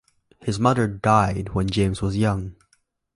His mother died when James was young.